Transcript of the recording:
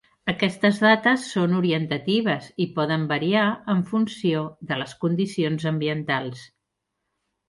Aquestes dates són orientatives i poden variar en funció de les condicions ambientals.